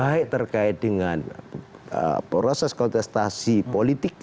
baik terkait dengan proses kontestasi politik